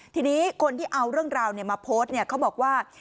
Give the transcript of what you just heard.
ทีนี้คนที่เอาเรื่องราวมาโพสต์เขาบอกว่า